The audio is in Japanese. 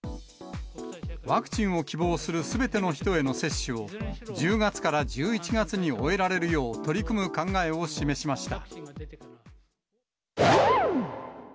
ワクチンを希望するすべての人への接種を、１０月から１１月に終えられるよう取り組む考えを示しました。